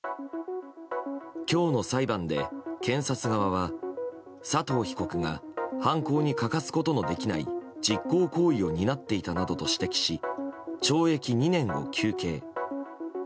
今日の裁判で検察側は佐藤被告が犯行に欠かすことのできない実行行為を担っていたなどと指摘し懲役２年を求刑。